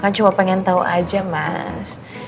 kan cuma pengen tahu aja mas